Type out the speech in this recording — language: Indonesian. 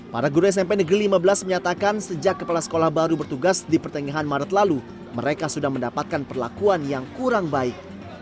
para guru smp negeri lima belas menyatakan sejak kepala sekolah baru bertugas di pertengahan maret lalu mereka sudah mendapatkan perlakuan yang kurang baik